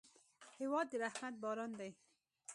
هېواد د رحمت باران دی.